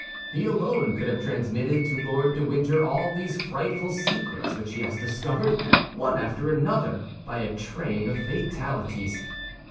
He alone could have transmitted to Lord de Winter all these frightful secrets which he has discovered, one after another, by a train of fatalities.